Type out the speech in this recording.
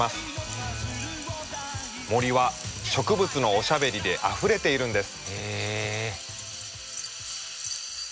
森は植物のおしゃべりであふれているんです。